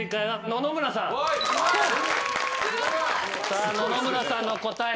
野々村さんの答え